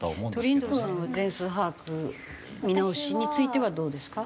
トリンドルさんは全数把握見直しについてはどうですか？